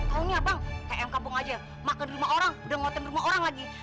tau gak bang tm kampung aja makan di rumah orang udah ngotain di rumah orang tadi